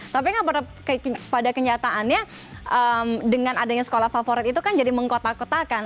tapi kan pada kenyataannya dengan adanya sekolah favorit itu kan jadi mengkotak kotakan